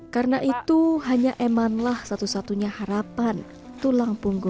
karena itu hanya emanlah satu satunya harapan